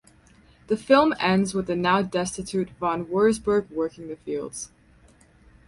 The film ends with the now destitute Von Wurzburg working the fields.